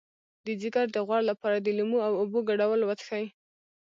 د ځیګر د غوړ لپاره د لیمو او اوبو ګډول وڅښئ